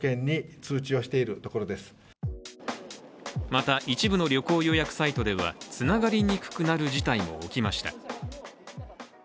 また、一部の旅行予約サイトではつながりにくくなる事態も起きました。